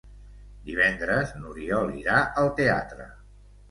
Divendres n'Oriol irà al teatre.